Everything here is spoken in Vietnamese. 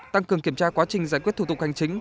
tăng cường kiểm tra quá trình giải quyết thủ tục hành chính